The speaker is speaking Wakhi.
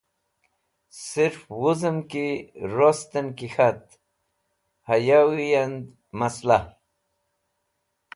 Sirf wuzẽm rostẽn ki k̃hat hayawi and masla.